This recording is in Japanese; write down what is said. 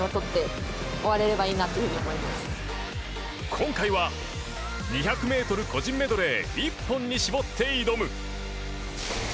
今回は２００ｍ個人メドレー１本に絞って挑む。